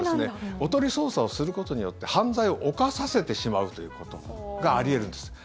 おとり捜査をすることによって犯罪を犯させてしまうということがあり得るんです。